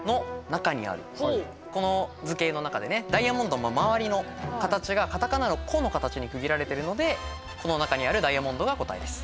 この図形の中でねダイヤモンドの周りの形がカタカナの「コ」の形に区切られてるので「コ」の中にあるダイヤモンドが答えです。